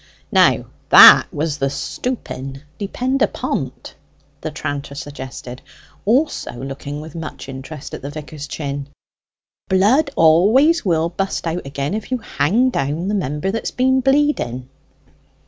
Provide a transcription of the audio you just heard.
"Now, that was the stooping, depend upon't," the tranter suggested, also looking with much interest at the vicar's chin. "Blood always will bust out again if you hang down the member that's been bleeding."